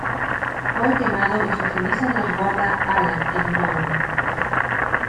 Fue quemado y sus cenizas las guarda Alan en una urna.